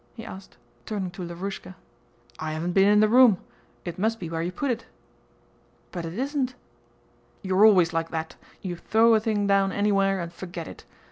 he asked, turning to Lavrúshka. "I haven't been in the room. It must be where you put it." "But it isn't?..." "You're always like that; you thwow a thing down anywhere and forget it.